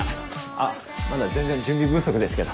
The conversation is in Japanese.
あっまだ全然準備不足ですけど。